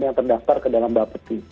yang terdaftar ke dalam bapak peti